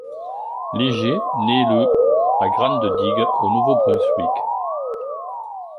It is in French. Léger naît le à Grande-Digue, au Nouveau-Brunswick.